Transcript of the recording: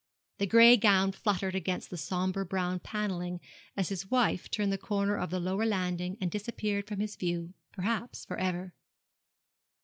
The gray gown fluttered against the sombre brown panelling as his wife turned the corner of the lower landing and disappeared from his view perhaps for ever.